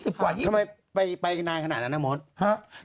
ทำไมไปไหนขนาดนั้นนะม้อน